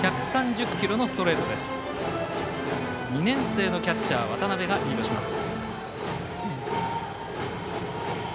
２年生のキャッチャー渡辺がリードします。